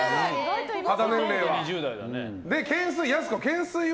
肌年齢は。